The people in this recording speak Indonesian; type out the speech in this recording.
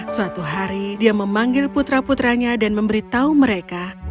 suatu hari dia memanggil putra putranya dan memberitahu mereka